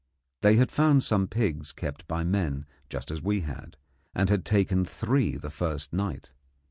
They had found some pigs kept by men just as we had, and had taken three the first night.